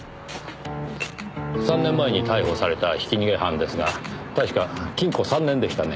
３年前に逮捕されたひき逃げ犯ですが確か禁固３年でしたね。